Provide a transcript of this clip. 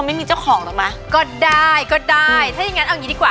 ไม่มีเจ้าของหรอกมั้ยก็ได้ก็ได้ถ้าอย่างงั้นเอางี้ดีกว่า